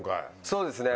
そうですね